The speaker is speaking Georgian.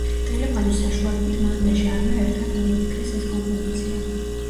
ტელეფონის საშუალებით მან და ჟარმა ერთად მოიფიქრეს ეს კომპოზიცია.